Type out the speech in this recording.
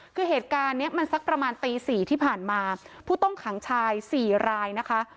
คือเหตุการณ์เนี้ยมันสักประมาณตีสี่ที่ผ่านมาผู้ต้องขังชายสี่รายนะคะ